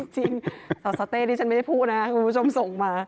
สสเต้ดิฉันไม่ได้พูดนะคุณผู้ชมส่งมา